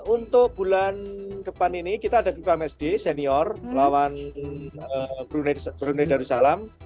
untuk bulan ke depan ini kita ada viva msd senior lawan brunei darussalam